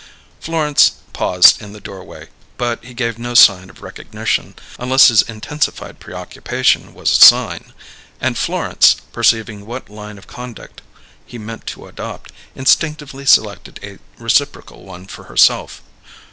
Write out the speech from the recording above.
Florence paused in the doorway, but he gave no sign of recognition, unless his intensified preoccupation was a sign, and Florence, perceiving what line of conduct he meant to adopt, instinctively selected a reciprocal one for herself.